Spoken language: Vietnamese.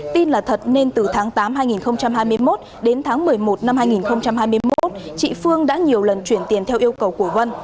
tin là thật nên từ tháng tám hai nghìn hai mươi một đến tháng một mươi một năm hai nghìn hai mươi một chị phương đã nhiều lần chuyển tiền theo yêu cầu của vân